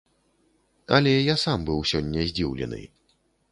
Але я сам быў сёння здзіўлены.